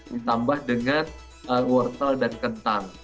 ditambah dengan wortel dan kentang